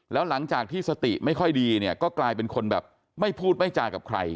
แล้วหลังจากที่สติไม่ค่อยดีเนี่ยก็กลายเป็นคนแบบไม่พูดไม่จากับใคร